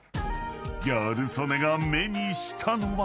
［ギャル曽根が目にしたのは］